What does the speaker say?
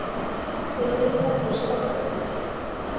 গোলাগুলি ছাড়া বসে কথা বলি?